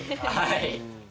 はい。